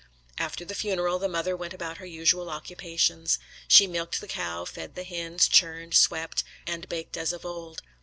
After the funeral the mother went about her usual occupations. She milked the cow, fed the hens, churned, swept, and baked as of old.